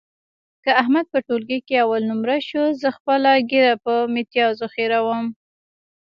که احمد په ټولګي کې اول نمره شو، زه خپله ږیره په میتیازو خرېیم.